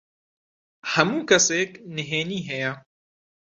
هەموو کەسێک نهێنیی هەیە.